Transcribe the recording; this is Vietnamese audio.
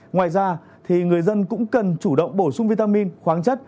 ngoài ra thì người dân cũng cần chủ động bổ sung vitamin khoáng chất